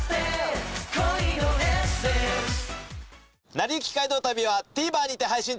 『なりゆき街道旅』はＴＶｅｒにて配信中です。